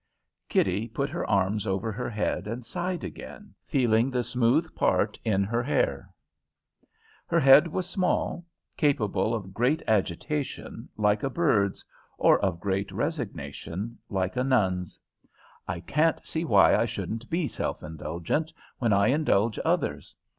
Kitty put her arms over her head and sighed again, feeling the smooth part in her black hair. Her head was small capable of great agitation, like a bird's; or of great resignation, like a nun's. "I can't see why I shouldn't be self indulgent, when I indulge others.